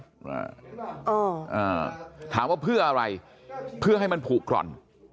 อ่าถามว่าเพื่ออะไรเพื่อให้มันผูกกร่อน